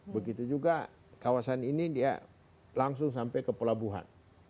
begitu juga kawasan ini dia langsung sampai ke pelabuhan